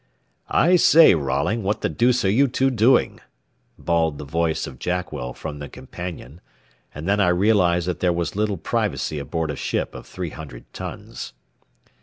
"I say, Rolling, what the deuce are you two doing?" bawled the voice of Jackwell from the companion, and then I realized that there was little privacy aboard a ship of three hundred tons.